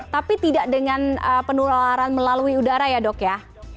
tapi tidak dengan penularan melalui udara ya dok ya